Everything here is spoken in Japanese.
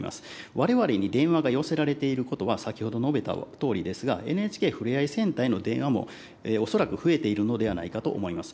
われわれに電話が寄せられていることは、先ほど述べたとおりですが、ＮＨＫふれあいセンターへの電話も、恐らく増えているのではないかと思います。